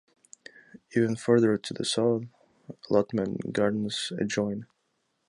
Even further to the south, allotment gardens adjoin.